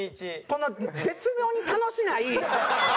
この絶妙に楽しない。